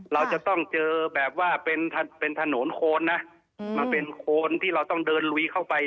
เราจะต้องเจอแบบว่าเป็นถนนโคนนะมันเป็นโคนที่เราต้องเดินลุยเข้าไป